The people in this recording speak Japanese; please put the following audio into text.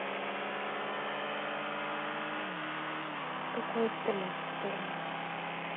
どこ行ってもっていうのは兄貴含む？